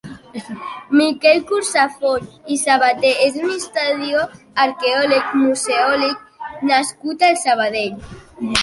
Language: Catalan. Miquel Crusafont i Sabater és un historiador, arqueòleg, museòleg nascut a Sabadell.